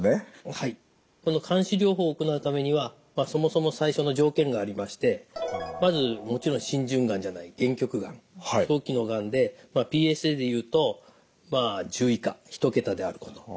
この監視療法を行うためにはそもそも最初の条件がありましてまずもちろん浸潤がんじゃない限局がん早期のがんでＰＳＡでいうとまあ１０以下１桁であること。